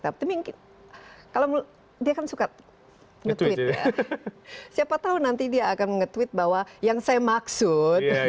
tapi kalau dia kan suka nge tweet ya siapa tahu nanti dia akan nge tweet bahwa yang saya maksud